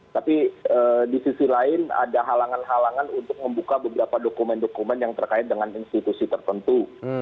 tapi di sisi lain ada halangan halangan untuk membuka beberapa dokumen dokumen yang terkait dengan institusi tertentu